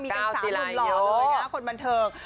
มีเป็น๓คนเหล่าเลยนะคนบันเทิง